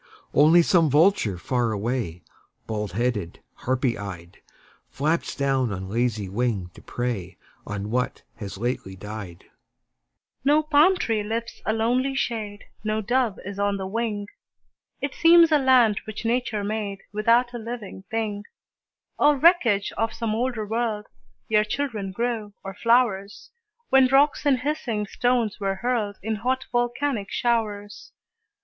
Only some vulture far away, Bald headed, harpy eyed, Flaps down on lazy wing to prey On what has lately died. No palm tree lifts a lonely shade, No dove is on the wing; It seems a land which Nature made Without a living thing, Or wreckage of some older world, Ere children grew, or flowers, When rocks and hissing stones were hurled In hot, volcanic showers.